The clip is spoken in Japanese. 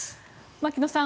槙野さん